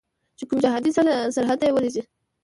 چې کوم جهادي سرحد ته یې ولیږي.